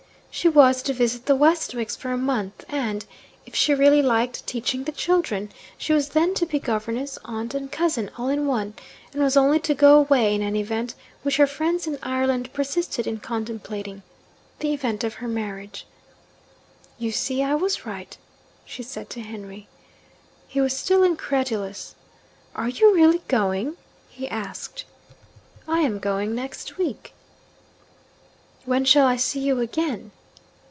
She was to visit the Westwicks for a month and, if she really liked teaching the children, she was then to be governess, aunt, and cousin, all in one and was only to go away in an event which her friends in Ireland persisted in contemplating, the event of her marriage. 'You see I was right,' she said to Henry. He was still incredulous. 'Are you really going?' he asked. 'I am going next week.' 'When shall I see you again?'